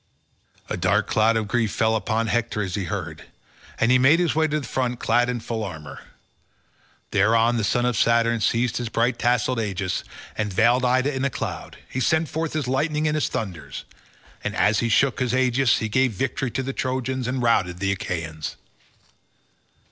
A dark cloud of grief fell upon Hector as he heard, and he made his way to the front clad in full armour. Thereon the son of Saturn seized his bright tasselled aegis, and veiled Ida in cloud: he sent forth his lightnings and his thunders, and as he shook his aegis he gave victory to the Trojans and routed the Achaeans.